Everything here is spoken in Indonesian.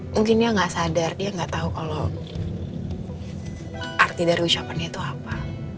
mungkin dia nggak sadar dia nggak tahu kalau arti dari ucapannya itu apa